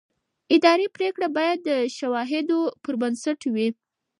اداري پرېکړه باید د شواهدو پر بنسټ وي.